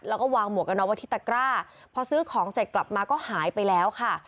แล้วก็วางหมวกกันน็อกไว้ที่ตะกร้าพอซื้อของเสร็จกลับมาก็หายไปแล้วค่ะ